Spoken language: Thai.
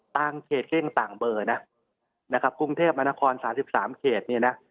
ต่างเขตเกล้งต่างเบอร์นะนะครับกรุงเทพฯมนาคอร์สามสิบสามเขตเนี้ยนะ